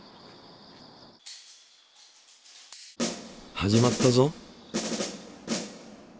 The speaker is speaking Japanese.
始まったぞ。